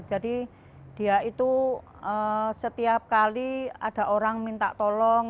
jadi dia itu setiap kali ada orang minta tolong